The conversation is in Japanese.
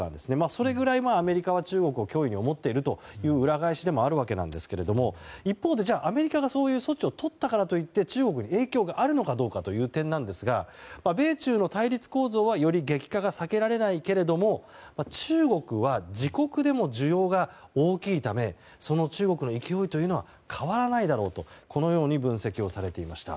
それぐらい、アメリカは中国を脅威に思っている裏返しなんですが一方でアメリカがそういう措置をとったからといって中国に影響があるのかどうかという点ですが米中の対立構造はより激化が避けられないけども中国は自国でも需要が大きいためその中国の勢いは変わらないだろうとこのように分析をされていました。